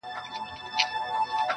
گراني دا هيله كوم_